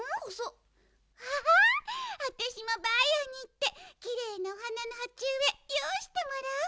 あたしもばあやにいってきれいなおはなのはちうえよういしてもらおうかしら。